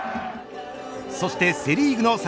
そしてセ・リーグの侍